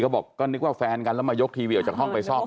บอกก็นึกว่าแฟนกันแล้วมายกทีวีออกจากห้องไปซ่อม